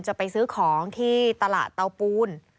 จะไปซื้อของที่ตลาดเตาปูน